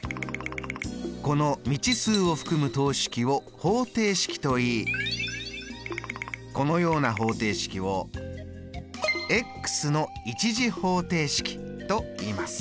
この未知数を含む等式を方程式といいこのような方程式をの１次方程式といいます。